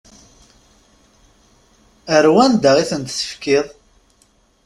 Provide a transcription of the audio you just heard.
Ar wanda i tent-tefkiḍ?